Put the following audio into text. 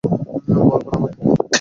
বল না ভায়া।